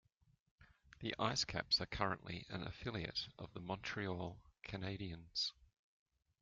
The IceCaps are currently an affiliate of the Montreal Canadiens.